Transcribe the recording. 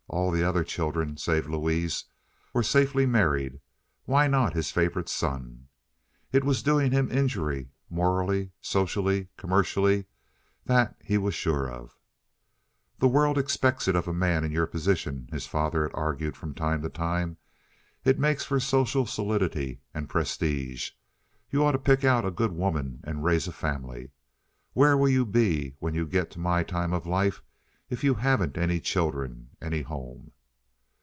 All the other children, save Louise, were safely married. Why not his favorite son? It was doing him injury morally, socially, commercially, that he was sure of. "The world expects it of a man in your position," his father had argued from time to time. "It makes for social solidity and prestige. You ought to pick out a good woman and raise a family. Where will you be when you get to my time of life if you haven't any children, any home?"